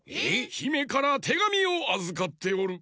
ひめからてがみをあずかっておる。